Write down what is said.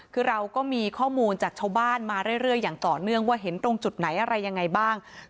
คือเราก็มีข้อมูลจากชาวบ้านมาเรื่อยอย่างต่อเนื่องว่าเห็นตรงจุดไหนอะไรยังไงบ้าง